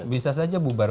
bisa saja bubarkan